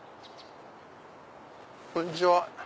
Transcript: こんにちは！